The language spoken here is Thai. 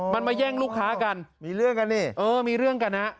มันมาแย่งลูกค้ากันมีเรื่องกันนี่เออมีเรื่องกันฮะ